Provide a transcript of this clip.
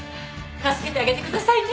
助けてあげてくださいね。